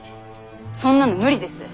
そんなの無理です！